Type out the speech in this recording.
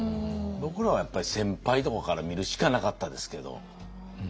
僕らはやっぱり先輩とかから見るしかなかったですけど。